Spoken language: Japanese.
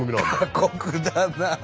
過酷だな。